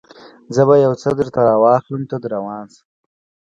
زه به یو څه درته راواخلم، ته در روان شه.